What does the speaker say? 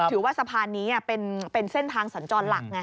ถือว่าสะพานนี้เป็นเส้นทางสัญจรหลักไง